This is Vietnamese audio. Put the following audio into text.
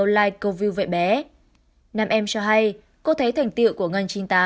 năm em cho hay cô thấy thành tựu của ngân chín mươi tám